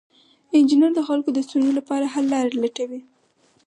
انجینر د خلکو د ستونزو لپاره حل لارې لټوي.